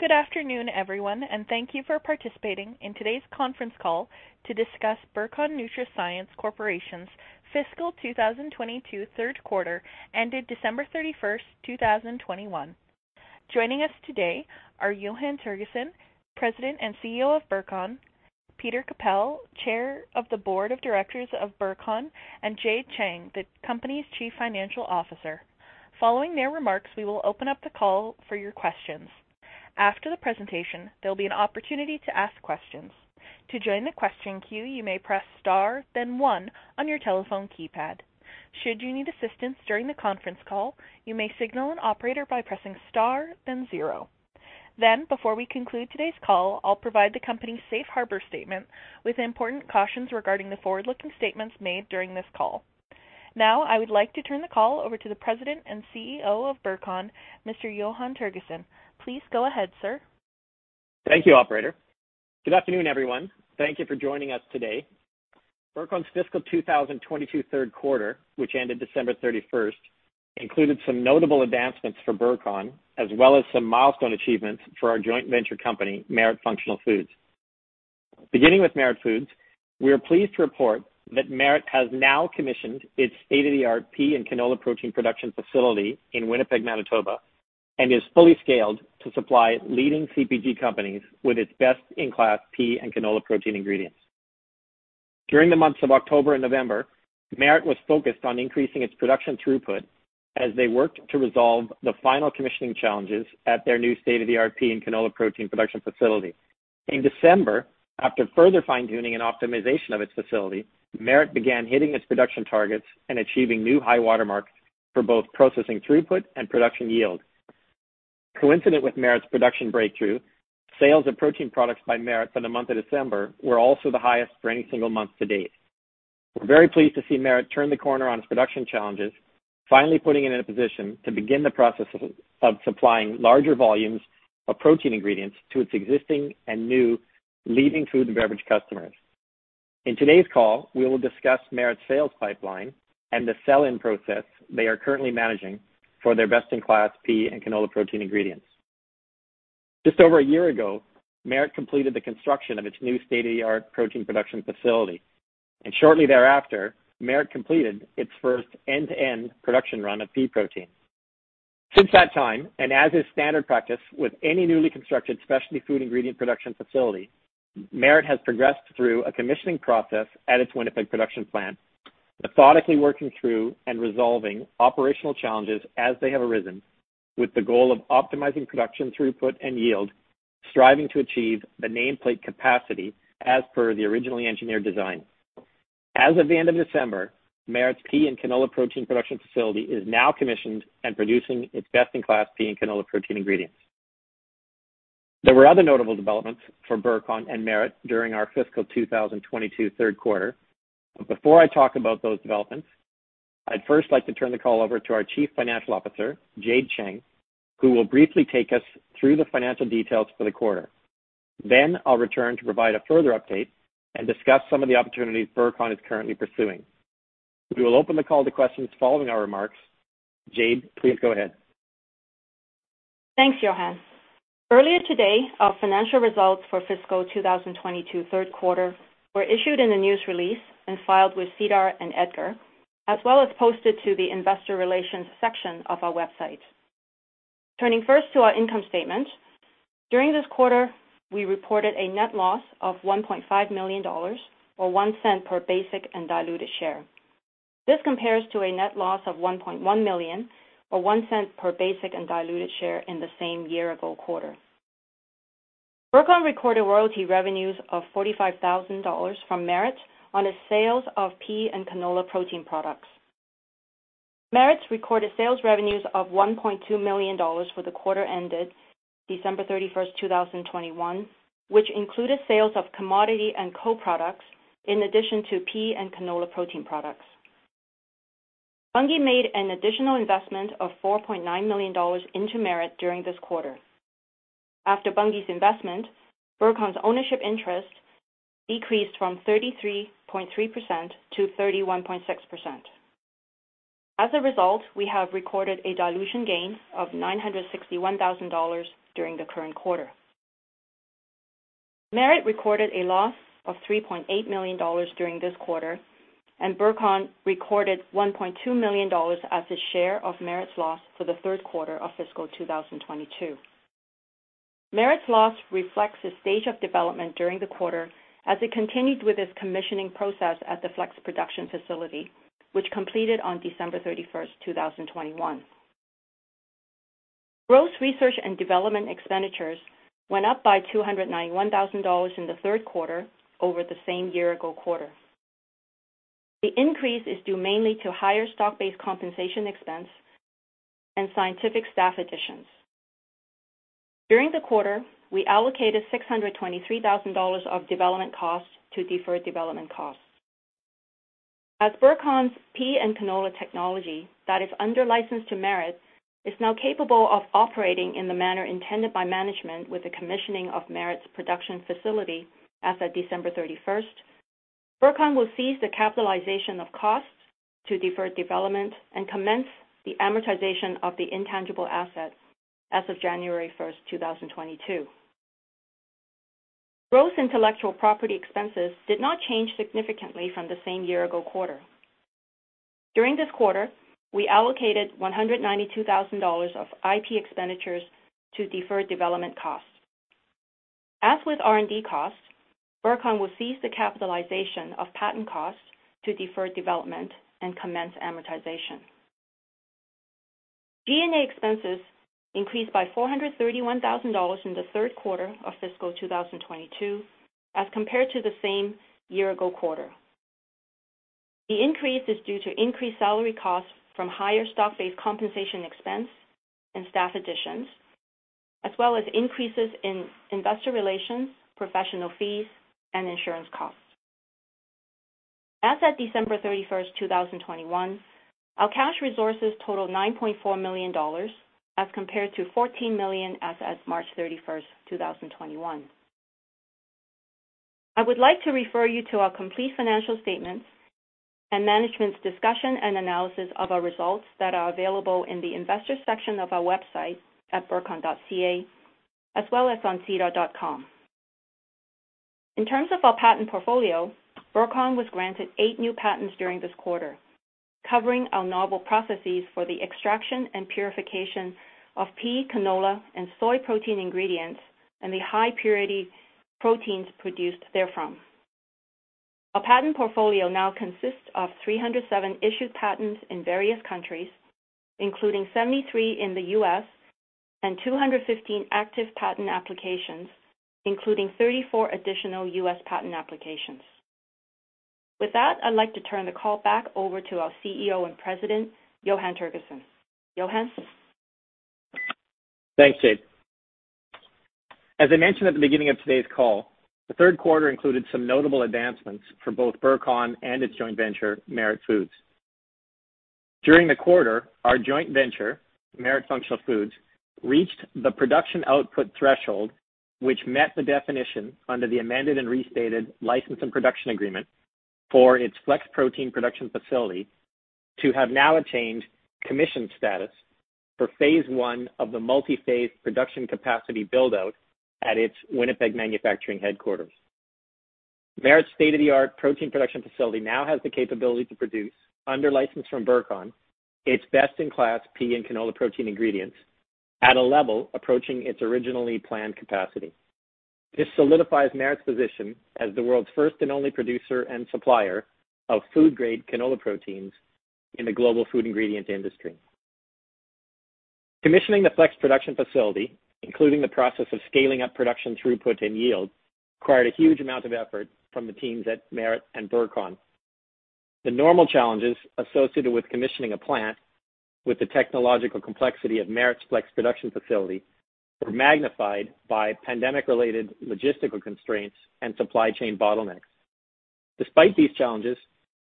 Good afternoon, everyone, and thank you for participating in today's conference call to discuss Burcon NutraScience Corporation's fiscal 2022 third quarter ended December 31st, 2021. Joining us today are Johann Tergesen, President and CEO of Burcon, Peter Kappel, Chair of the Board of Directors of Burcon, and Jade Cheng, the company's Chief Financial Officer. Following their remarks, we will open up the call for your questions. After the presentation, there'll be an opportunity to ask questions. To join the question queue, you may press star, then one on your telephone keypad. Should you need assistance during the conference call, you may signal an operator by pressing star, then zero. Before we conclude today's call, I'll provide the company's safe harbor statement with important cautions regarding the forward-looking statements made during this call. Now I would like to turn the call over to the President and CEO of Burcon, Mr. Johann Tergesen. Please go ahead, sir. Thank you, operator. Good afternoon, everyone. Thank you for joining us today. Burcon's fiscal 2022 third quarter, which ended December 31st, included some notable advancements for Burcon as well as some milestone achievements for our joint venture company, Merit Functional Foods. Beginning with Merit Functional Foods, we are pleased to report that Merit has now commissioned its state-of-the-art pea and canola protein production facility in Winnipeg, Manitoba, and is fully scaled to supply leading CPG companies with its best-in-class pea and canola protein ingredients. During the months of October and November, Merit was focused on increasing its production throughput as they worked to resolve the final commissioning challenges at their new state-of-the-art pea and canola protein production facility. In December, after further fine-tuning and optimization of its facility, Merit began hitting its production targets and achieving new high water marks for both processing throughput and production yield. Coincident with Merit's production breakthrough, sales of protein products by Merit for the month of December were also the highest for any single month to date. We're very pleased to see Merit turn the corner on its production challenges, finally putting it in a position to begin the process of supplying larger volumes of protein ingredients to its existing and new leading food and beverage customers. In today's call, we will discuss Merit's sales pipeline and the sell-in process they are currently managing for their best-in-class pea and canola protein ingredients. Just over a year ago, Merit completed the construction of its new state-of-the-art protein production facility. Shortly thereafter, Merit completed its first end-to-end production run of pea protein. Since that time, and as is standard practice with any newly constructed specialty food ingredient production facility, Merit has progressed through a commissioning process at its Winnipeg production plant, methodically working through and resolving operational challenges as they have arisen, with the goal of optimizing production throughput and yield, striving to achieve the nameplate capacity as per the originally engineered design. As of the end of December, Merit's pea and canola protein production facility is now commissioned and producing its best-in-class pea and canola protein ingredients. There were other notable developments for Burcon and Merit during our fiscal 2022 third quarter. Before I talk about those developments, I'd first like to turn the call over to our Chief Financial Officer, Jade Cheng, who will briefly take us through the financial details for the quarter. I'll return to provide a further update and discuss some of the opportunities Burcon is currently pursuing. We will open the call to questions following our remarks. Jade, please go ahead. Thanks, Johann. Earlier today, our financial results for fiscal 2022 third quarter were issued in a news release and filed with SEDAR and EDGAR, as well as posted to the investor relations section of our website. Turning first to our income statement. During this quarter, we reported a net loss of 1.5 million dollars or 0.01 per basic and diluted share. This compares to a net loss of 1.1 million or 0.01 per basic and diluted share in the same year ago quarter. Burcon recorded royalty revenues of 45,000 dollars from Merit on the sales of pea and canola protein products. Merit recorded sales revenues of 1.2 million dollars for the quarter ended December 31st, 2021, which included sales of commodity and co-products in addition to pea and canola protein products. Bunge made an additional investment of 4.9 million dollars into Merit during this quarter. After Bunge's investment, Burcon's ownership interest decreased from 33.3% to 31.6%. As a result, we have recorded a dilution gain of 961,000 dollars during the current quarter. Merit recorded a loss of 3.8 million dollars during this quarter, and Burcon recorded 1.2 million dollars as a share of Merit's loss for the third quarter of fiscal 2022. Merit's loss reflects the stage of development during the quarter as it continued with its commissioning process at the Flex Production Facility, which completed on December 31, 2021. Gross research and development expenditures went up by 291,000 dollars in the third quarter over the same year ago quarter. The increase is due mainly to higher stock-based compensation expense and scientific staff additions. During the quarter, we allocated 623,000 dollars of development costs to deferred development costs. As Burcon's pea and canola technology that is under license to Merit is now capable of operating in the manner intended by management with the commissioning of Merit's production facility as of December 31st, Burcon will cease the capitalization of costs to deferred development and commence the amortization of the intangible assets as of January 1st, 2022. Gross intellectual property expenses did not change significantly from the same year ago quarter. During this quarter, we allocated 192,000 dollars of IP expenditures to deferred development costs. As with R&D costs, Burcon will cease the capitalization of patent costs to deferred development and commence amortization. G&A expenses increased by 431,000 dollars in the third quarter of fiscal 2022 as compared to the same year ago quarter. The increase is due to increased salary costs from higher stock-based compensation expense and staff additions, as well as increases in investor relations, professional fees, and insurance costs. As at December 31st, 2021, our cash resources totaled 9.4 million dollars as compared to 14 million as March 31st, 2021. I would like to refer you to our complete financial statements and management's discussion and analysis of our results that are available in the investor section of our website at burcon.ca as well as on sedar.com. In terms of our patent portfolio, Burcon was granted eight new patents during this quarter, covering our novel processes for the extraction and purification of pea, canola and soy protein ingredients and the high purity proteins produced therefrom. Our patent portfolio now consists of 307 issued patents in various countries, including 73 in the U.S. and 215 active patent applications, including 34 additional U.S. patent applications. With that, I'd like to turn the call back over to our CEO and President, Johann Tergesen. Johann? Thanks, Jade. As I mentioned at the beginning of today's call, the third quarter included some notable advancements for both Burcon and its joint venture, Merit Functional Foods. During the quarter, our joint venture, Merit Functional Foods, reached the production output threshold, which met the definition under the amended and restated license and production agreement for its Flex Production Facility to have now attained commissioned status for phase one of the multi-phase production capacity build-out at its Winnipeg manufacturing headquarters. Merit's state-of-the-art protein production facility now has the capability to produce under license from Burcon, its best in class pea and canola protein ingredients at a level approaching its originally planned capacity. This solidifies Merit's position as the world's first and only producer and supplier of food grade canola proteins in the global food ingredient industry. Commissioning the Flex Production Facility, including the process of scaling up production throughput and yield, required a huge amount of effort from the teams at Merit and Burcon. The normal challenges associated with commissioning a plant with the technological complexity of Merit's Flex Production Facility were magnified by pandemic-related logistical constraints and supply chain bottlenecks. Despite these challenges,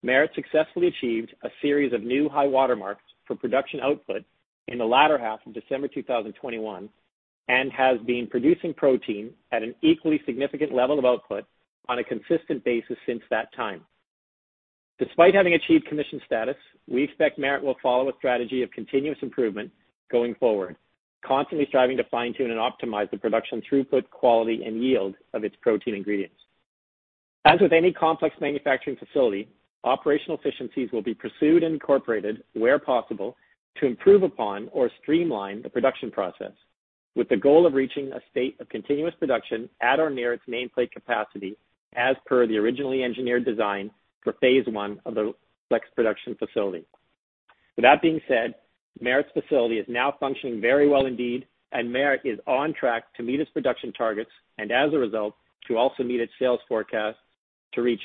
Merit successfully achieved a series of new high watermarks for production output in the latter half of December 2021, and has been producing protein at an equally significant level of output on a consistent basis since that time. Despite having achieved commissioned status, we expect Merit will follow a strategy of continuous improvement going forward, constantly striving to fine-tune and optimize the production throughput, quality, and yield of its protein ingredients. As with any complex manufacturing facility, operational efficiencies will be pursued and incorporated where possible to improve upon or streamline the production process with the goal of reaching a state of continuous production at or near its nameplate capacity as per the originally engineered design for phase I of the Flex Production Facility. With that being said, Merit's facility is now functioning very well indeed and Merit is on track to meet its production targets and as a result, to also meet its sales forecast to reach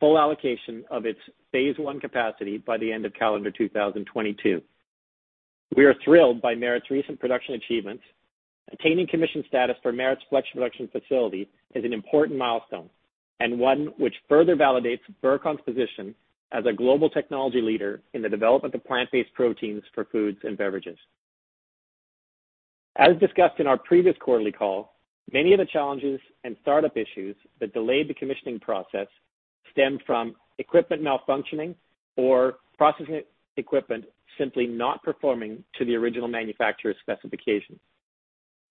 full allocation of its phase I capacity by the end of calendar 2022. We are thrilled by Merit's recent production achievements. Attaining commissioned status for Merit's Flex Production Facility is an important milestone and one which further validates Burcon's position as a global technology leader in the development of plant-based proteins for foods and beverages. As discussed in our previous quarterly call, many of the challenges and startup issues that delayed the commissioning process stemmed from equipment malfunctioning or processing equipment simply not performing to the original manufacturer's specifications.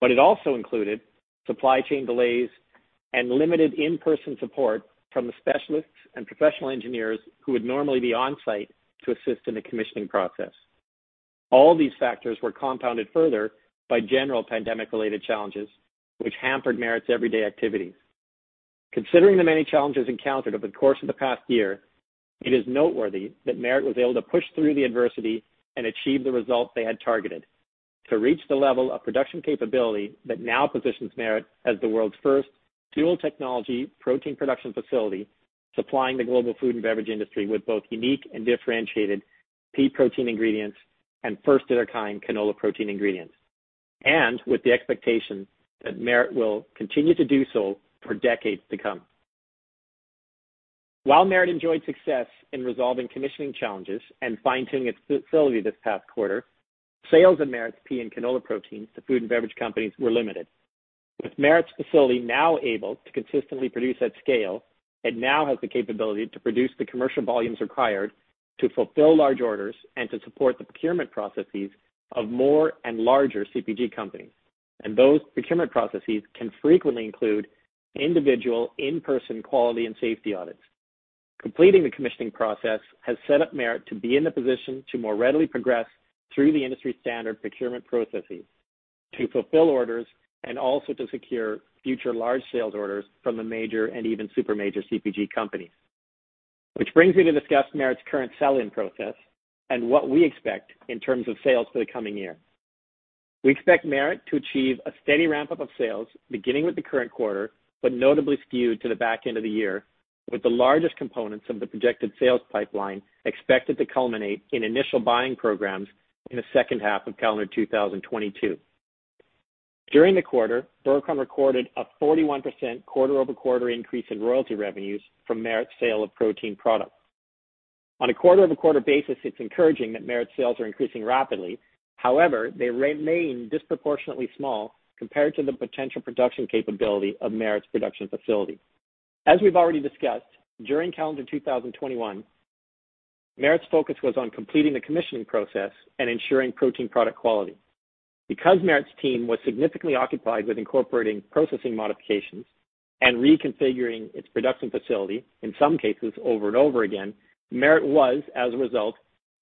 It also included supply chain delays and limited in-person support from the specialists and professional engineers who would normally be on-site to assist in the commissioning process. All these factors were compounded further by general pandemic related challenges which hampered Merit's everyday activities. Considering the many challenges encountered over the course of the past year, it is noteworthy that Merit was able to push through the adversity and achieve the result they had targeted to reach the level of production capability that now positions Merit as the world's first dual technology protein production facility, supplying the global food and beverage industry with both unique and differentiated pea protein ingredients and first of their kind canola protein ingredients. With the expectation that Merit will continue to do so for decades to come. While Merit enjoyed success in resolving commissioning challenges and fine-tuning its facility this past quarter, sales of Merit's pea and canola proteins to food and beverage companies were limited. With Merit's facility now able to consistently produce at scale, it now has the capability to produce the commercial volumes required to fulfill large orders and to support the procurement processes of more and larger CPG companies. Those procurement processes can frequently include individual in-person quality and safety audits. Completing the commissioning process has set up Merit to be in the position to more readily progress through the industry standard procurement processes to fulfill orders and also to secure future large sales orders from the major and even super major CPG companies. Which brings me to discuss Merit's current sell-in process and what we expect in terms of sales for the coming year. We expect Merit to achieve a steady ramp-up of sales beginning with the current quarter, but notably skewed to the back end of the year, with the largest components of the projected sales pipeline expected to culminate in initial buying programs in the second half of calendar 2022. During the quarter, Burcon recorded a 41% quarter-over-quarter increase in royalty revenues from Merit's sale of protein products. On a quarter-over-quarter basis, it's encouraging that Merit sales are increasing rapidly. However, they remain disproportionately small compared to the potential production capability of Merit's production facility. As we've already discussed, during calendar 2021, Merit's focus was on completing the commissioning process and ensuring protein product quality. Because Merit's team was significantly occupied with incorporating processing modifications and reconfiguring its production facility, in some cases over and over again, Merit was as a result,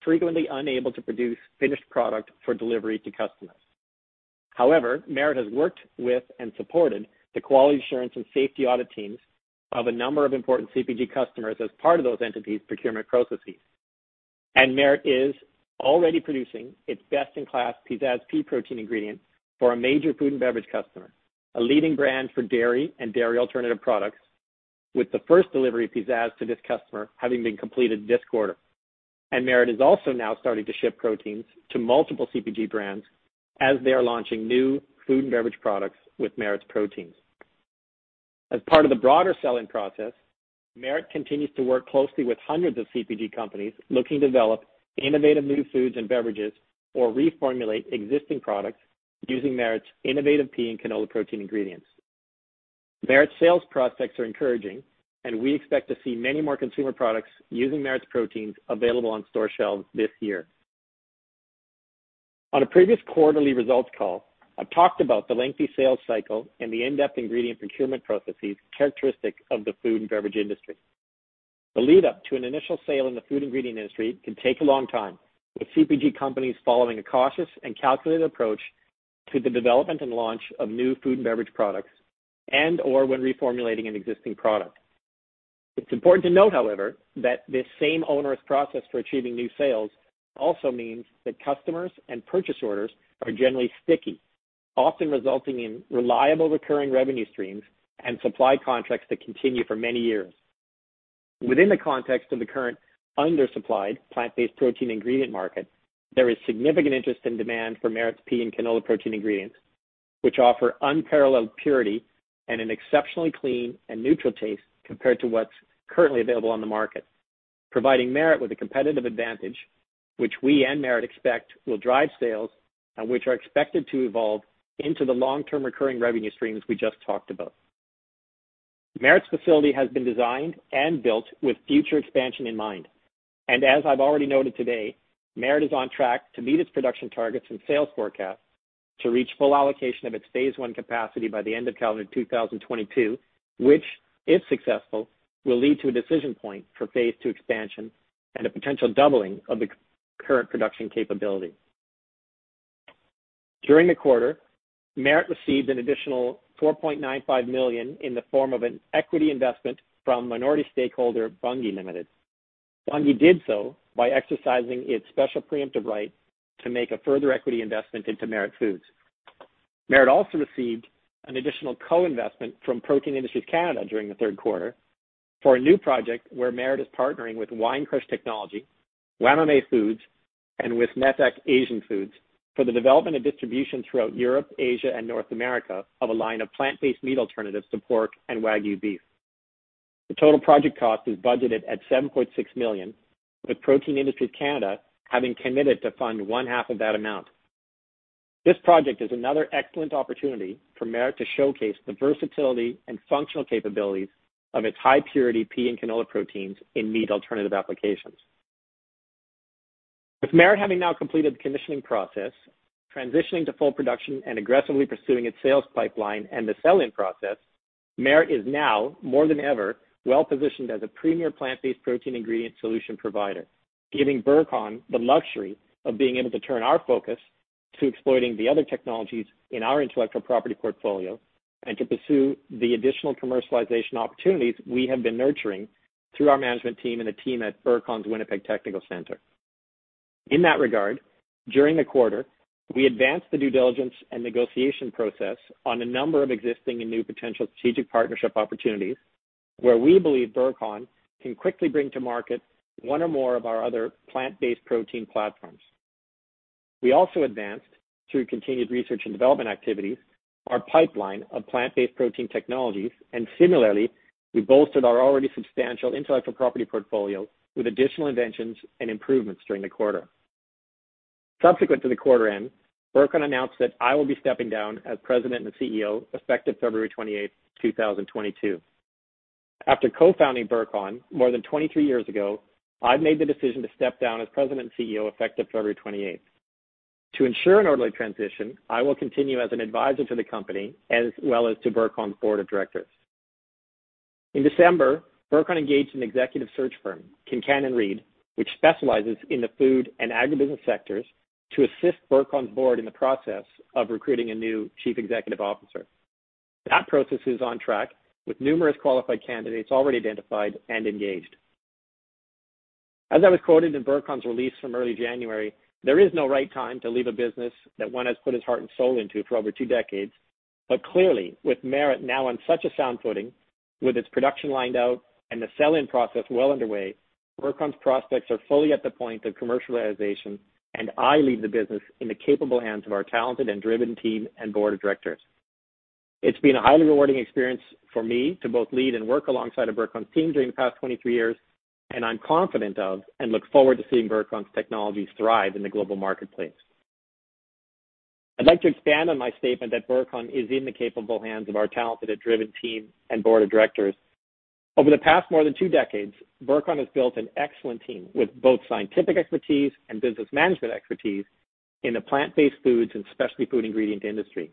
frequently unable to produce finished product for delivery to customers. However, Merit has worked with and supported the quality assurance and safety audit teams of a number of important CPG customers as part of those entities' procurement processes. Merit is already producing its best-in-class Peazazz pea protein ingredient for a major food and beverage customer, a leading brand for dairy and dairy alternative products, with the first delivery of Peazazz to this customer having been completed this quarter. Merit is also now starting to ship proteins to multiple CPG brands as they are launching new food and beverage products with Merit's proteins. As part of the broader sell-in process, Merit continues to work closely with hundreds of CPG companies looking to develop innovative new foods and beverages or reformulate existing products using Merit's innovative pea and canola protein ingredients. Merit's sales prospects are encouraging, and we expect to see many more consumer products using Merit's proteins available on store shelves this year. On a previous quarterly results call, I talked about the lengthy sales cycle and the in-depth ingredient procurement processes characteristic of the food and beverage industry. The lead-up to an initial sale in the food ingredient industry can take a long time, with CPG companies following a cautious and calculated approach to the development and launch of new food and beverage products and/or when reformulating an existing product. It's important to note, however, that this same onerous process for achieving new sales also means that customers and purchase orders are generally sticky, often resulting in reliable recurring revenue streams and supply contracts that continue for many years. Within the context of the current undersupplied plant-based protein ingredient market, there is significant interest and demand for Merit's pea and canola protein ingredients, which offer unparalleled purity and an exceptionally clean and neutral taste compared to what's currently available on the market, providing Merit with a competitive advantage which we and Merit expect will drive sales and which are expected to evolve into the long-term recurring revenue streams we just talked about. Merit's facility has been designed and built with future expansion in mind. As I've already noted today, Merit is on track to meet its production targets and sales forecasts to reach full allocation of its phase one capacity by the end of calendar 2022, which, if successful, will lead to a decision point for phase two expansion and a potential doubling of the current production capability. During the quarter, Merit received an additional 4.95 million in the form of an equity investment from minority stakeholder Bunge Limited. Bunge did so by exercising its special preemptive right to make a further equity investment into Merit Functional Foods. Merit also received an additional co-investment from Protein Industries Canada during the third quarter for a new project where Merit is partnering with Winecrush Technology, Wamame Foods, and with Wismettac Asian Foods for the development and distribution throughout Europe, Asia and North America of a line of plant-based meat alternatives to pork and Wagyu beef. The total project cost is budgeted at 7.6 million, with Protein Industries Canada having committed to fund one half of that amount. This project is another excellent opportunity for Merit to showcase the versatility and functional capabilities of its high purity pea and canola proteins in meat alternative applications. With Merit having now completed the commissioning process, transitioning to full production and aggressively pursuing its sales pipeline and the sell-in process, Merit is now more than ever well-positioned as a premier plant-based protein ingredient solution provider, giving Burcon the luxury of being able to turn our focus to exploiting the other technologies in our intellectual property portfolio and to pursue the additional commercialization opportunities we have been nurturing through our management team and the team at Burcon's Winnipeg Technical Center. In that regard, during the quarter, we advanced the due diligence and negotiation process on a number of existing and new potential strategic partnership opportunities where we believe Burcon can quickly bring to market one or more of our other plant-based protein platforms. We also advanced through continued research and development activities, our pipeline of plant-based protein technologies, and similarly, we bolstered our already substantial intellectual property portfolio with additional inventions and improvements during the quarter. Subsequent to the quarter end, Burcon announced that I will be stepping down as President and CEO effective February 28, 2022. After co-founding Burcon more than 23 years ago, I've made the decision to step down as President and CEO, effective February 28. To ensure an orderly transition, I will continue as an advisor to the company as well as to Burcon's board of directors. In December, Burcon engaged an executive search firm, Kincannon & Reed, which specializes in the food and agribusiness sectors, to assist Burcon's board in the process of recruiting a new chief executive officer. That process is on track with numerous qualified candidates already identified and engaged. As I was quoted in Burcon's release from early January, there is no right time to leave a business that one has put his heart and soul into for over two decades. Clearly, with Merit now on such a sound footing, with its production lined out and the sell-in process well underway, Burcon's prospects are fully at the point of commercialization, and I leave the business in the capable hands of our talented and driven team and board of directors. It's been a highly rewarding experience for me to both lead and work alongside of Burcon's team during the past 23 years, and I'm confident of and look forward to seeing Burcon's technologies thrive in the global marketplace. I'd like to expand on my statement that Burcon is in the capable hands of our talented and driven team and board of directors. Over the past more than two decades, Burcon has built an excellent team with both scientific expertise and business management expertise in the plant-based foods and specialty food ingredient industry.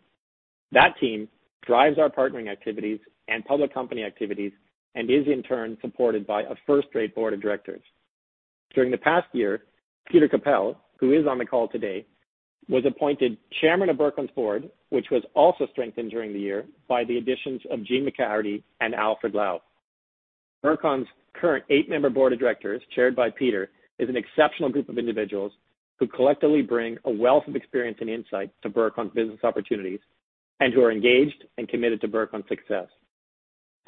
That team drives our partnering activities and public company activities and is in turn supported by a first-rate board of directors. During the past year, Peter Capell, who is on the call today, was appointed Chairman of Burcon's board, which was also strengthened during the year by the additions of Jeanne McCaherty and Alfred Lau. Burcon's current eight-member board of directors, chaired by Peter, is an exceptional group of individuals who collectively bring a wealth of experience and insight to Burcon's business opportunities and who are engaged and committed to Burcon's success.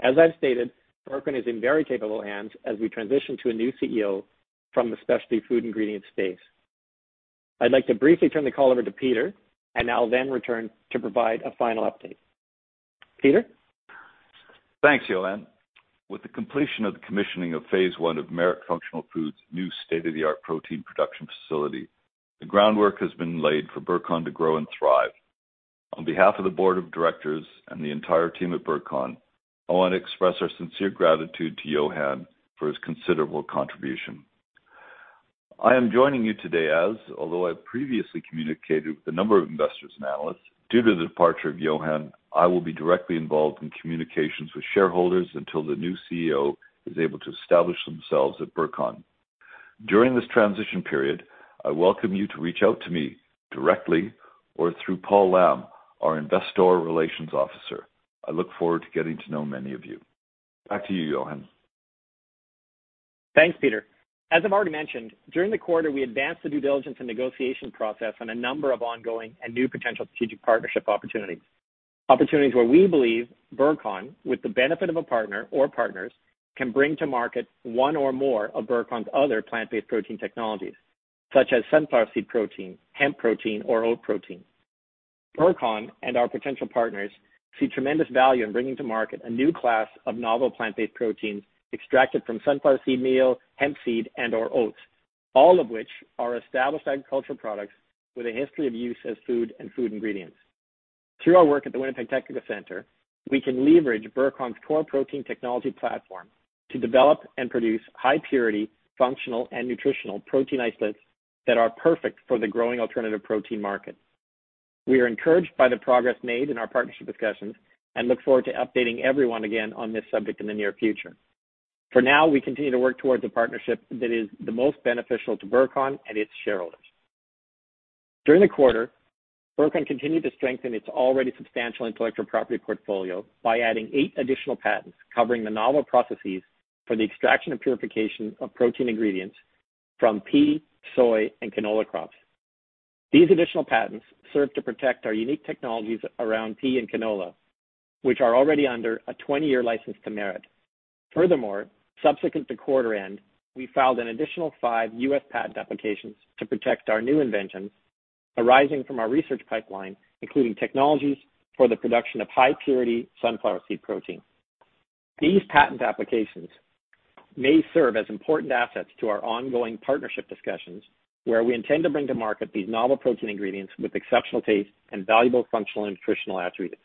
As I've stated, Burcon is in very capable hands as we transition to a new CEO from the specialty food ingredients space. I'd like to briefly turn the call over to Peter, and I'll then return to provide a final update. Peter? Thanks, Johann. With the completion of the commissioning of phase one of Merit Functional Foods' new state-of-the-art protein production facility, the groundwork has been laid for Burcon to grow and thrive. On behalf of the board of directors and the entire team at Burcon, I want to express our sincere gratitude to Johann for his considerable contribution. I am joining you today as, although I previously communicated with a number of investors and analysts, due to the departure of Johann, I will be directly involved in communications with shareholders until the new CEO is able to establish themselves at Burcon. During this transition period, I welcome you to reach out to me directly or through Paul Lam, our investor relations officer. I look forward to getting to know many of you. Back to you, Johann. Thanks, Peter. As I've already mentioned, during the quarter, we advanced the due diligence and negotiation process on a number of ongoing and new potential strategic partnership opportunities. Opportunities where we believe Burcon, with the benefit of a partner or partners, can bring to market one or more of Burcon's other plant-based protein technologies, such as sunflower seed protein, hemp protein, or oat protein. Burcon and our potential partners see tremendous value in bringing to market a new class of novel plant-based proteins extracted from sunflower seed meal, hemp seed, and/or oats, all of which are established agricultural products with a history of use as food and food ingredients. Through our work at the Winnipeg Technical Center, we can leverage Burcon's core protein technology platform to develop and produce high purity, functional, and nutritional protein isolates that are perfect for the growing alternative protein market. We are encouraged by the progress made in our partnership discussions and look forward to updating everyone again on this subject in the near future. For now, we continue to work towards a partnership that is the most beneficial to Burcon and its shareholders. During the quarter, Burcon continued to strengthen its already substantial intellectual property portfolio by adding eight additional patents covering the novel processes for the extraction and purification of protein ingredients from pea, soy, and canola crops. These additional patents serve to protect our unique technologies around pea and canola, which are already under a 20-year license to Merit. Furthermore, subsequent to quarter end, we filed an additional five U.S. patent applications to protect our new inventions arising from our research pipeline, including technologies for the production of high purity sunflower seed protein. These patent applications may serve as important assets to our ongoing partnership discussions, where we intend to bring to market these novel protein ingredients with exceptional taste and valuable functional and nutritional attributes.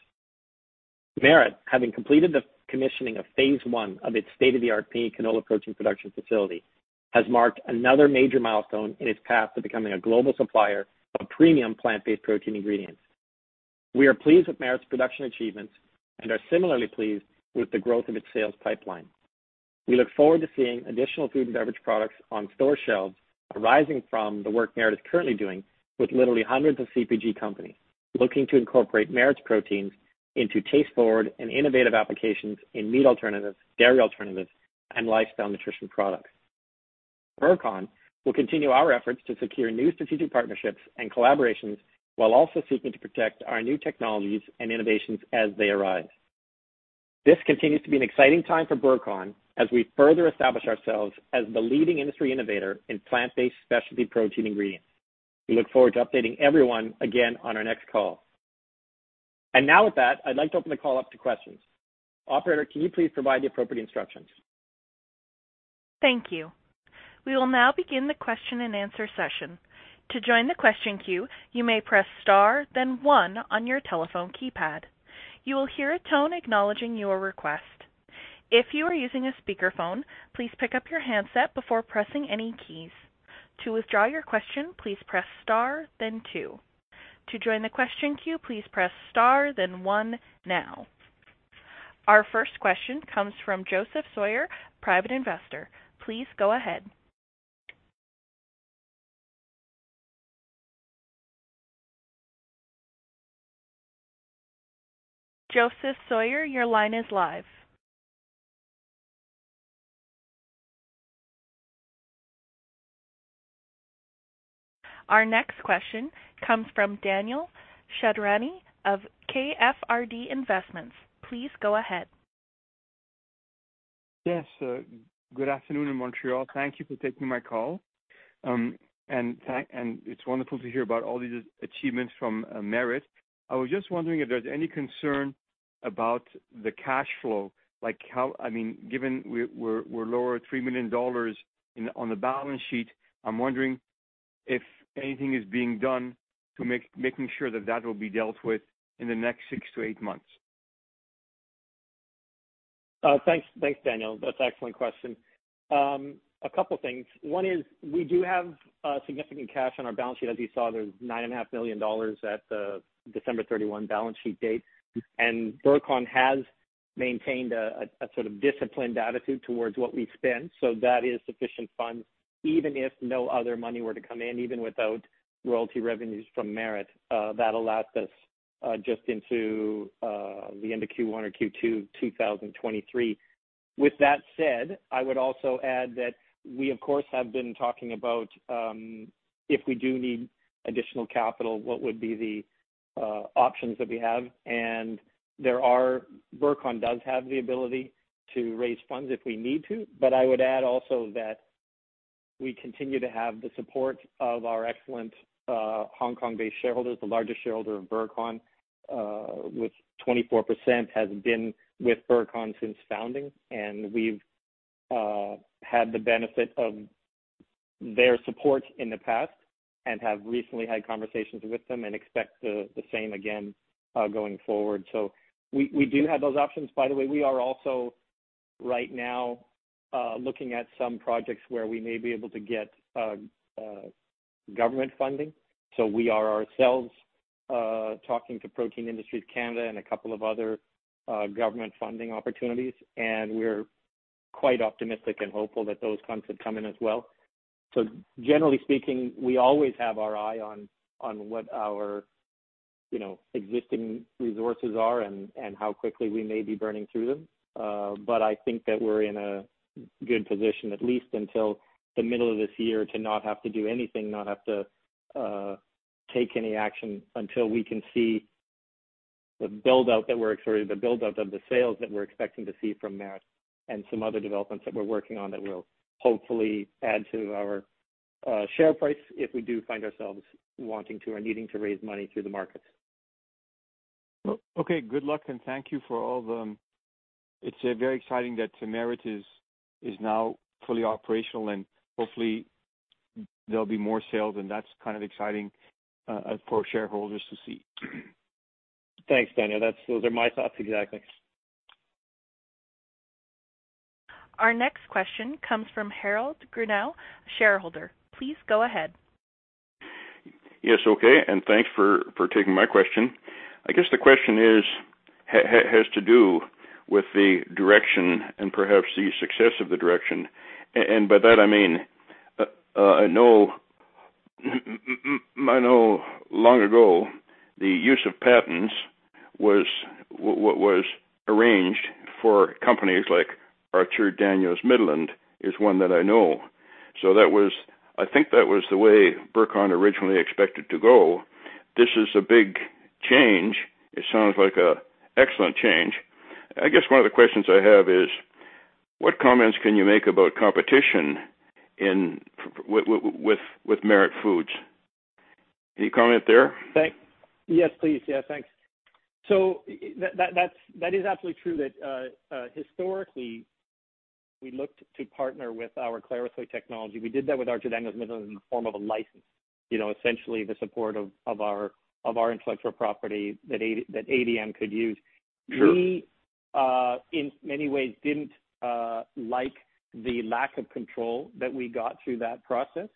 Merit, having completed the commissioning of phase one of its state-of-the-art pea-canola protein production facility, has marked another major milestone in its path to becoming a global supplier of premium plant-based protein ingredients. We are pleased with Merit's production achievements and are similarly pleased with the growth of its sales pipeline. We look forward to seeing additional food and beverage products on store shelves arising from the work Merit is currently doing with literally hundreds of CPG companies looking to incorporate Merit's proteins into taste-forward and innovative applications in meat alternatives, dairy alternatives, and lifestyle nutrition products. Burcon will continue our efforts to secure new strategic partnerships and collaborations while also seeking to protect our new technologies and innovations as they arise. This continues to be an exciting time for Burcon as we further establish ourselves as the leading industry innovator in plant-based specialty protein ingredients. We look forward to updating everyone again on our next call. Now with that, I'd like to open the call up to questions. Operator, can you please provide the appropriate instructions? Thank you. We will now begin the question-and-answer session. To join the question queue, you may press star then one on your telephone keypad. You'll hear a tone acknowledging your request. If you are using a speaker phone, please pickup your handset before pressing any keys. To withdraw your question, please press star then two. To join the question queue, please press star then one now. Our first question comes from Joseph Sawyer, private investor. Please go ahead. Joseph Sawyer, your line is live. Our next question comes from Daniel Shahrabani of Fard Investments. Please go ahead. Yes, good afternoon, Montreal. Thank you for taking my call. It's wonderful to hear about all these achievements from Merit. I was just wondering if there's any concern about the cash flow. Like how I mean, given we're lower 3 million dollars in on the balance sheet, I'm wondering if anything is being done to making sure that that will be dealt with in the next six-eight months. Thanks. Thanks, Daniel. That's an excellent question. A couple of things. One is we do have significant cash on our balance sheet. As you saw, there's 9.5 million dollars at the December 31 balance sheet date. Burcon has maintained a sort of disciplined attitude towards what we spend. That is sufficient funds, even if no other money were to come in, even without royalty revenues from Merit. That allows us just into the end of Q1 or Q2, 2023. With that said, I would also add that we, of course, have been talking about if we do need additional capital, what would be the options that we have. There are Burcon does have the ability to raise funds if we need to, but I would add also that we continue to have the support of our excellent, Hong Kong-based shareholders, the largest shareholder of Burcon with 24%, has been with Burcon since founding, and we've had the benefit of their support in the past and have recently had conversations with them and expect the same again going forward. We do have those options. By the way, we are also right now looking at some projects where we may be able to get government funding. We are ourselves talking to Protein Industries Canada and a couple of other government funding opportunities, and we're quite optimistic and hopeful that those funds would come in as well. Generally speaking, we always have our eye on what our, you know, existing resources are and how quickly we may be burning through them. I think that we're in a good position, at least until the middle of this year, to not have to do anything, take any action until we can see the buildout of the sales that we're expecting to see from Merit and some other developments that we're working on that will hopefully add to our share price if we do find ourselves wanting to or needing to raise money through the market. Okay. Good luck, and thank you for all the. It's very exciting that Merit is now fully operational, and hopefully there'll be more sales, and that's kind of exciting for shareholders to see. Thanks, Daniel. Those are my thoughts exactly. Our next question comes from Harold Grinnell, shareholder. Please go ahead. Yes. Okay. Thanks for taking my question. I guess the question is, has to do with the direction and perhaps the success of the direction. By that, I mean, I know many moons ago, the use of patents was arranged for companies like Archer-Daniels-Midland, which is one that I know. That was—I think that was the way Burcon originally expected to go. This is a big change. It sounds like an excellent change. I guess one of the questions I have is what comments can you make about competition with Merit Functional Foods? Any comment there? Yes, please. Yeah, thanks. That is absolutely true that historically, we looked to partner with our ClariSoy technology. We did that with Archer-Daniels-Midland in the form of a license. You know, essentially the support of our intellectual property that ADM could use. Sure. We, in many ways, didn't like the lack of control that we got through that process.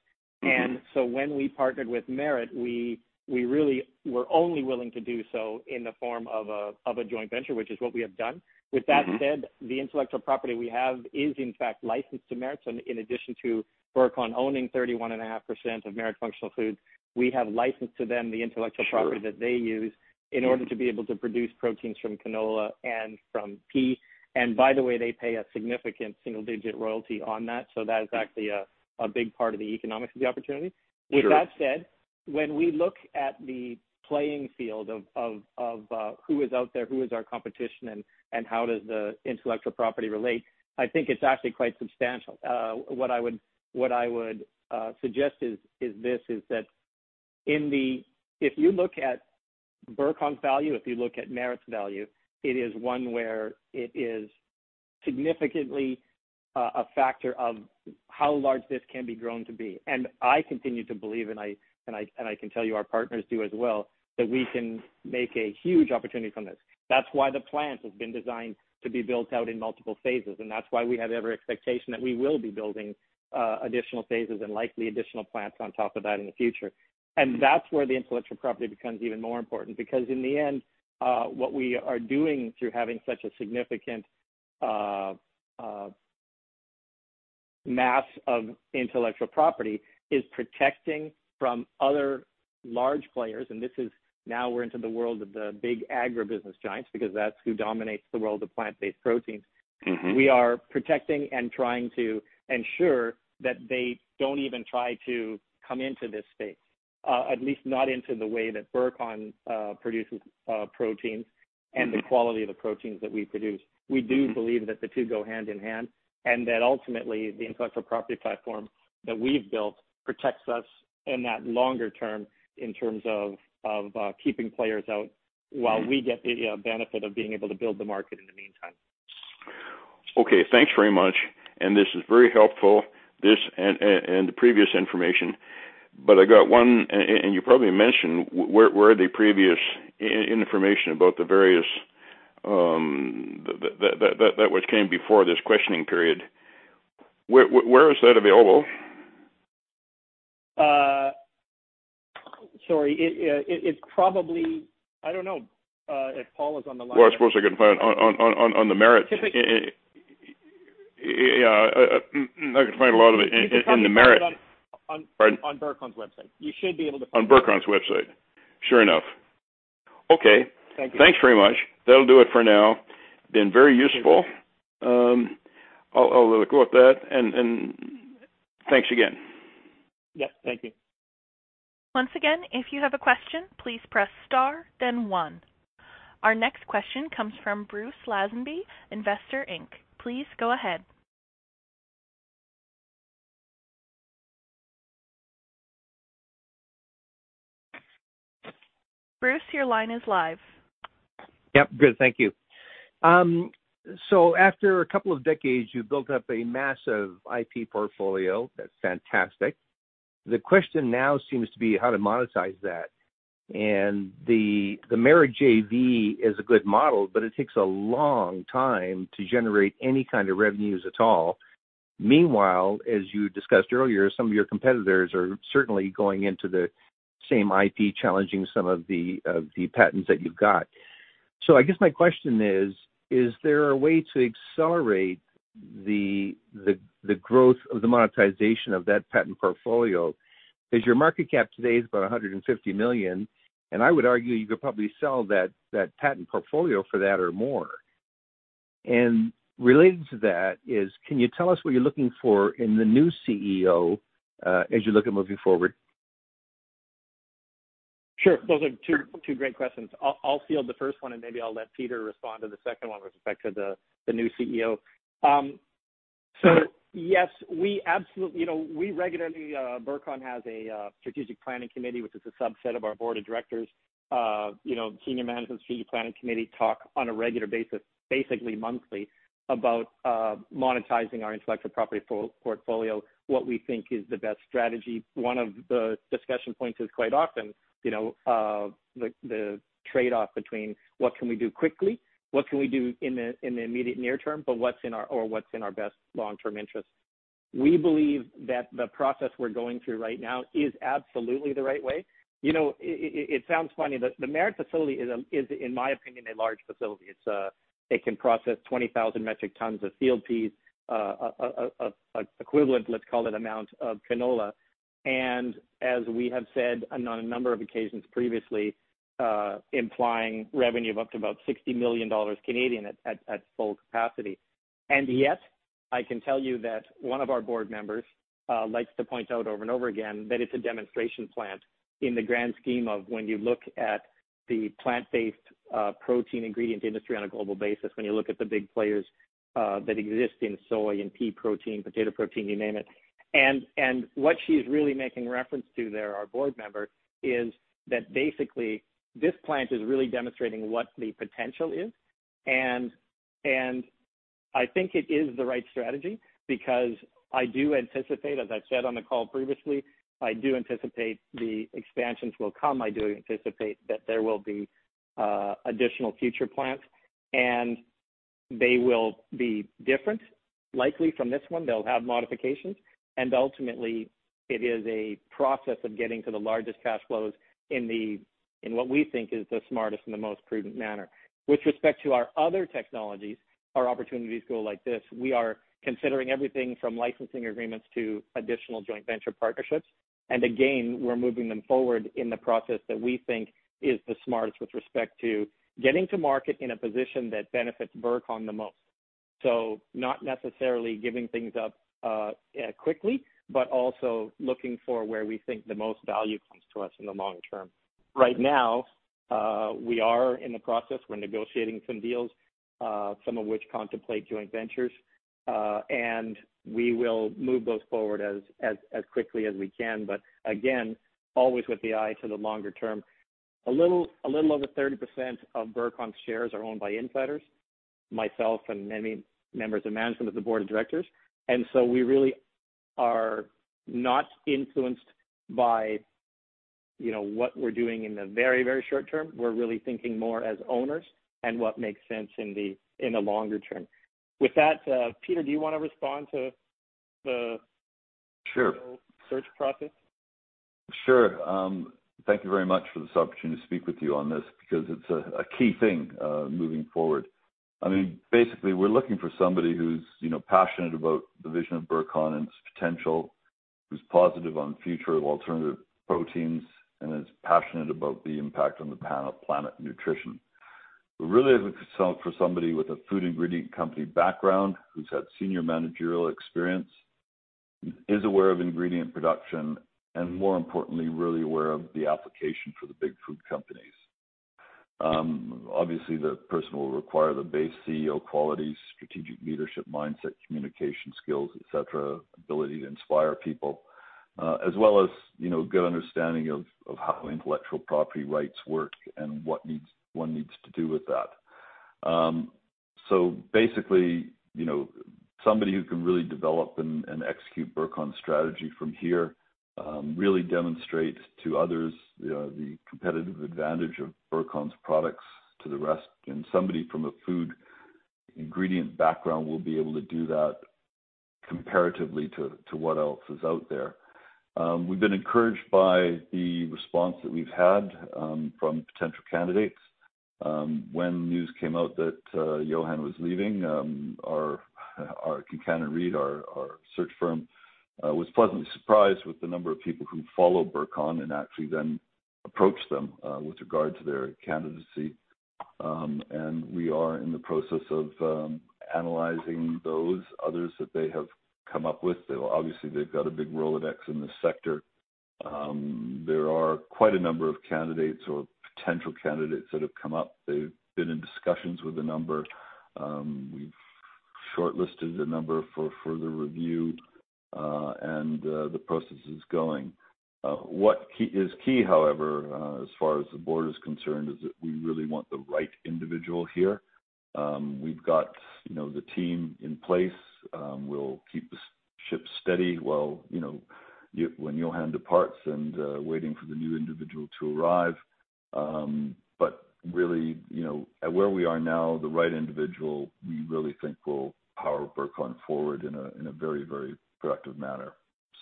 When we partnered with Merit, we really were only willing to do so in the form of a joint venture, which is what we have done. With that said, the intellectual property we have is in fact licensed to Merit. In addition to Burcon owning 31.5% of Merit Functional Foods, we have licensed to them the intellectual property- Sure. that they use in order to be able to produce proteins from canola and from pea. By the way, they pay a significant single-digit royalty on that. That is actually a big part of the economics of the opportunity. Sure. With that said, when we look at the playing field of who is out there, who is our competition, and how does the intellectual property relate, I think it's actually quite substantial. What I would suggest is this: that if you look at Burcon's value, if you look at Merit's value, it is one where it is significantly a factor of how large this can be grown to be. I continue to believe, I can tell you our partners do as well, that we can make a huge opportunity from this. That's why the plant has been designed to be built out in multiple phases, and that's why we have every expectation that we will be building additional phases and likely additional plants on top of that in the future. That's where the intellectual property becomes even more important. Because in the end, what we are doing through having such a significant mass of intellectual property is protecting from other large players. This is now we're into the world of the big agribusiness giants because that's who dominates the world of plant-based proteins. We are protecting and trying to ensure that they don't even try to come into this space. At least not into the way that Burcon produces proteins and the quality of the proteins that we produce. We do believe that the two go hand in hand, and that ultimately the intellectual property platform that we've built protects us in that longer term in terms of keeping players out while we get the benefit of being able to build the market in the meantime. Okay, thanks very much. This is very helpful, this and the previous information. I got one. You probably mentioned where the previous information about the various, that came before this questioning period. Where is that available? Sorry. I don't know if Paul is on the line. Well, I suppose I could find on the Merit. Yeah. I can find a lot of it in the Merit. You should probably find it on. Pardon? On Burcon's website. You should be able to find it. On Burcon's website. Sure enough. Okay. Thank you. Thanks very much. That'll do it for now. It's been very useful. I'll let it go at that. Thanks again. Yeah, thank you. Once again, if you have a question please press star then one. Our next question comes from Bruce Lazenby, Investor Inc. Please go ahead. Bruce, your line is live. Yep. Good, thank you. After a couple of decades, you've built up a massive IP portfolio. That's fantastic. The question now seems to be how to monetize that. The Merit JV is a good model, but it takes a long time to generate any kind of revenues at all. Meanwhile, as you discussed earlier, some of your competitors are certainly going into the same IP, challenging some of the patents that you've got. I guess my question is there a way to accelerate the growth of the monetization of that patent portfolio? Because your market cap today is about 150 million, and I would argue you could probably sell that patent portfolio for that or more. Related to that is, can you tell us what you're looking for in the new CEO, as you look at moving forward? Sure. Those are two great questions. I'll field the first one, and maybe I'll let Peter respond to the second one with respect to the new CEO. So yes, we absolutely. You know, we regularly, Burcon has a strategic planning committee, which is a subset of our board of directors. You know, senior management strategic planning committee talk on a regular basis, basically monthly, about monetizing our intellectual property portfolio. What we think is the best strategy. One of the discussion points is quite often, you know, the trade-off between what can we do quickly, what can we do in the immediate near term, but what's in our or what's in our best long-term interest. We believe that the process we're going through right now is absolutely the right way. You know, it sounds funny. The Merit facility is, in my opinion, a large facility. It can process 20,000 metric tons of field peas, or equivalent amount of canola. As we have said on a number of occasions previously, implying revenue of up to about 60 million Canadian dollars at full capacity. Yet, I can tell you that one of our board members likes to point out over and over again that it's a demonstration plant in the grand scheme of when you look at the plant-based protein ingredient industry on a global basis, when you look at the big players that exist in soy and pea protein, potato protein, you name it. What she's really making reference to there, our board member, is that basically this plant is really demonstrating what the potential is. I think it is the right strategy because I do anticipate, as I've said on the call previously, I do anticipate the expansions will come. I do anticipate that there will be additional future plants, and they will be different, likely from this one. They'll have modifications. Ultimately, it is a process of getting to the largest cash flows in what we think is the smartest and the most prudent manner. With respect to our other technologies, our opportunities go like this. We are considering everything from licensing agreements to additional joint venture partnerships. Again, we're moving them forward in the process that we think is the smartest with respect to getting to market in a position that benefits Burcon the most. Not necessarily giving things up quickly, but also looking for where we think the most value comes to us in the long term. Right now, we are in the process. We're negotiating some deals. Some of which contemplate joint ventures. We will move those forward as quickly as we can. Again, always with the eye to the longer term. A little over 30% of Burcon's shares are owned by insiders, myself and many members of management of the board of directors. We really are not influenced by, you know, what we're doing in the very, very short term. We're really thinking more as owners and what makes sense in the longer term. With that, Peter, do you wanna respond to the CEO search process? Sure. Thank you very much for this opportunity to speak with you on this because it's a key thing moving forward. I mean, basically, we're looking for somebody who's, you know, passionate about the vision of Burcon and its potential, who's positive on future of alternative proteins, and is passionate about the impact on the planetary nutrition. We're really looking for somebody with a food ingredient company background, who's had senior managerial experience, is aware of ingredient production, and more importantly, really aware of the application for the big food companies. Obviously, the person will require the base CEO qualities, strategic leadership mindset, communication skills, et cetera, ability to inspire people, as well as, you know, a good understanding of how intellectual property rights work and what one needs to do with that. Basically, you know, somebody who can really develop and execute Burcon's strategy from here, really demonstrate to others, you know, the competitive advantage of Burcon's products to the rest. Somebody from a food ingredient background will be able to do that comparatively to what else is out there. We've been encouraged by the response that we've had from potential candidates. When news came out that Johann was leaving, our Kincannon & Reed, our search firm, was pleasantly surprised with the number of people who follow Burcon and actually then approached them with regard to their candidacy. We are in the process of analyzing those others that they have come up with. Obviously, they've got a big Rolodex in this sector. There are quite a number of candidates or potential candidates that have come up. They've been in discussions with a number. We've shortlisted a number for further review, and the process is going. What's key, however, as far as the board is concerned, is that we really want the right individual here. We've got, you know, the team in place. We'll keep the ship steady while, you know, when Johann departs and waiting for the new individual to arrive. Really, you know, at where we are now, the right individual, we really think will power Burcon forward in a very productive manner.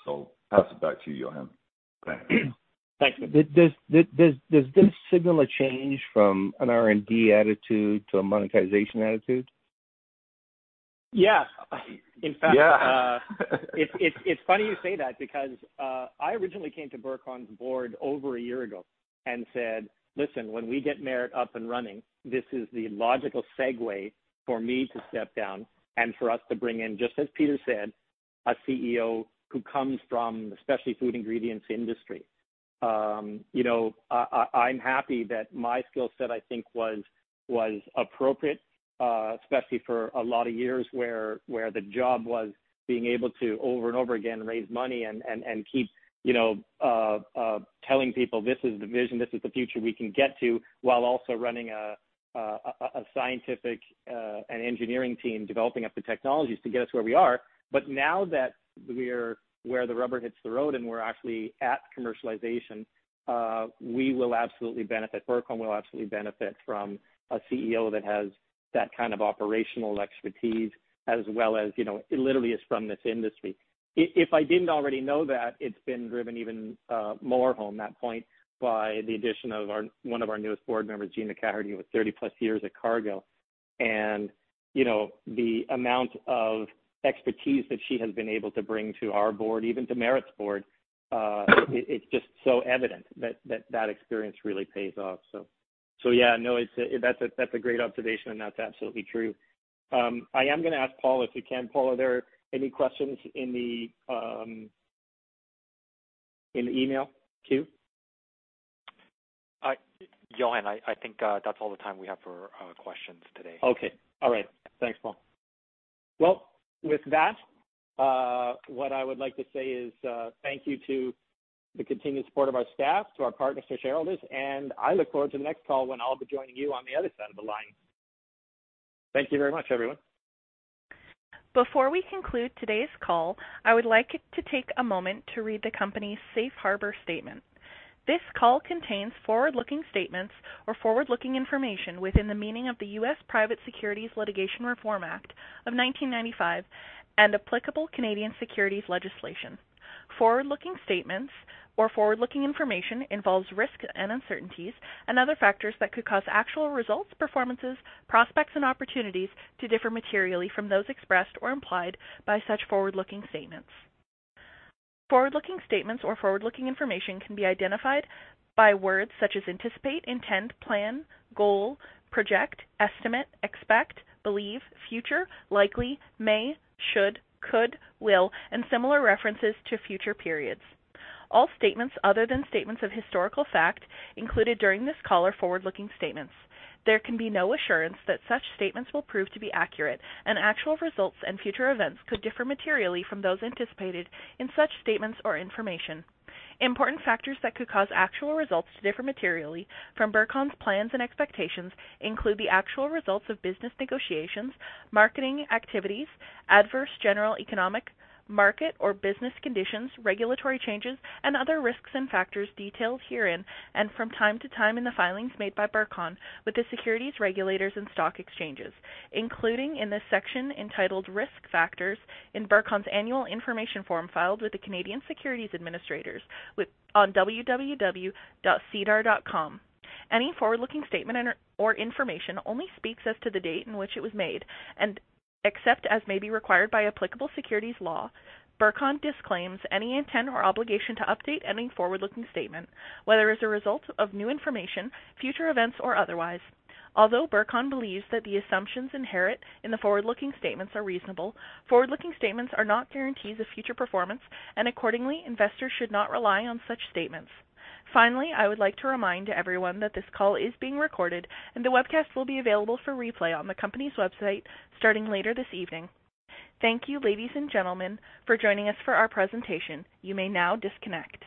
Pass it back to you, Johann. Thank you. Thank you. Does this signal a change from an R&D attitude to a monetization attitude? Yes. In fact. Yeah. It's funny you say that because I originally came to Burcon's board over a year ago and said, "Listen, when we get Merit up and running, this is the logical segue for me to step down and for us to bring in," just as Peter said, "a CEO who comes from, especially food ingredients industry." You know, I'm happy that my skill set, I think, was appropriate, especially for a lot of years where the job was being able to over and over again raise money and keep telling people this is the vision, this is the future we can get to, while also running a scientific and engineering team, developing the technologies to get us where we are. Now that we're where the rubber hits the road and we're actually at commercialization, we will absolutely benefit. Burcon will absolutely benefit from a CEO that has that kind of operational expertise as well as, you know, literally is from this industry. If I didn't already know that, it's been driven even more home, that point by the addition of our one of our newest board members, Jeanne McCaherty, with 30+ years at Cargill. You know, the amount of expertise that she has been able to bring to our board, even to Merit's board, it's just so evident that that experience really pays off. Yeah, no, that's a great observation, and that's absolutely true. I am gonna ask Paul if he can. Paul, are there any questions in the email queue? Johann, I think that's all the time we have for questions today. Okay. All right. Thanks, Paul. Well, with that, what I would like to say is, thank you to the continued support of our staff, to our partners, to shareholders, and I look forward to the next call when I'll be joining you on the other side of the line. Thank you very much, everyone. Before we conclude today's call, I would like it to take a moment to read the company's safe harbor statement. This call contains forward-looking statements or forward-looking information within the meaning of the U.S. Private Securities Litigation Reform Act of 1995 and applicable Canadian securities legislation. Forward-looking statements or forward-looking information involves risks and uncertainties and other factors that could cause actual results, performances, prospects, and opportunities to differ materially from those expressed or implied by such forward-looking statements. Forward-looking statements or forward-looking information can be identified by words such as anticipate, intend, plan, goal, project, estimate, expect, believe, future, likely, may, should, could, will, and similar references to future periods. All statements other than statements of historical fact included during this call are forward-looking statements. There can be no assurance that such statements will prove to be accurate, and actual results and future events could differ materially from those anticipated in such statements or information. Important factors that could cause actual results to differ materially from Burcon's plans and expectations include the actual results of business negotiations, marketing activities, adverse general economic market or business conditions, regulatory changes, and other risks and factors detailed herein and from time to time in the filings made by Burcon with the securities regulators and stock exchanges, including in this section entitled Risk Factors in Burcon's Annual Information Form filed with the Canadian Securities Administrators on sedar.com. Any forward-looking statement and/or information only speaks as to the date in which it was made. Except as may be required by applicable securities law, Burcon disclaims any intent or obligation to update any forward-looking statement, whether as a result of new information, future events or otherwise. Although Burcon believes that the assumptions inherent in the forward-looking statements are reasonable, forward-looking statements are not guarantees of future performance, and accordingly, investors should not rely on such statements. Finally, I would like to remind everyone that this call is being recorded, and the webcast will be available for replay on the company's website starting later this evening. Thank you, ladies and gentlemen, for joining us for our presentation. You may now disconnect.